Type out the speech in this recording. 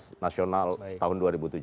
operasi nasional tahun dua ribu tujuh belas